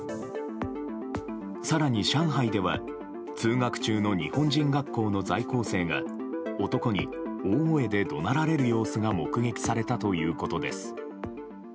更に上海では通学中の日本人学校の在学生が男に大声で怒鳴られる様子が目撃されたということです。